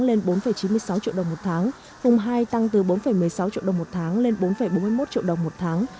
lên bốn chín mươi sáu triệu đồng một tháng vùng hai tăng từ bốn một mươi sáu triệu đồng một tháng lên bốn bốn mươi một triệu đồng một tháng